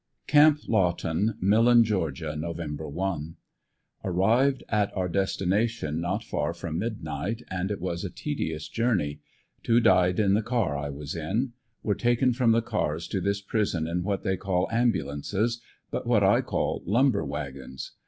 Camp Lawton, Millen, Ga., Nov. 1 — Arrived at our destination not far from midnight, and it was a tedious journey. Two died in the car I was in. Were taken from the cars to this prison in what they call ambulances, but what I call lumber wagons.